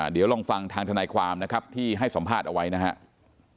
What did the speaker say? เดี๋ยวลองฟังทางทนายความนะครับที่ให้สัมภาษณ์เอาไว้นะครับ